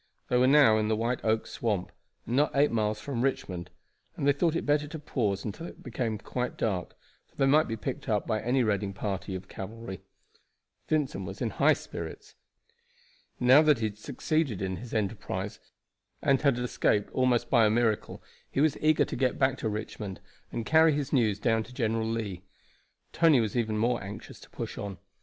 They were now in the White Oak Swamp and not eight miles from Richmond, and they thought it better to pause until it became quite dark, for they might be picked up by any raiding party of cavalry. Vincent was in high spirits. Now, that he had succeeded in his enterprise, and had escaped almost by a miracle, he was eager to get back to Richmond and carry his news down to General Lee. Tony was even more anxious to push on.